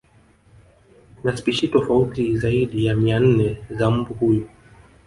Kuna spishi tofauti zaidi ya mia nne za mbu huyu